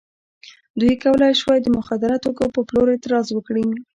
دوی کولای شوای د مخدره توکو په پلور اعتراض وکړي.